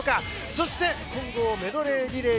そして、混合メドレーリレー。